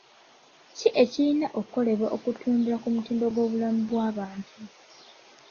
Ki ekirina okukolebwa okutumbula ku mutindo gw'obulamu bw'abantu?